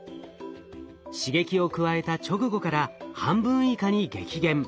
刺激を加えた直後から半分以下に激減。